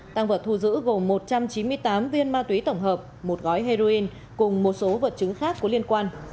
tăng vật thu giữ gồm một trăm chín mươi tám viên ma túy tổng hợp một gói heroin cùng một số vật chứng khác có liên quan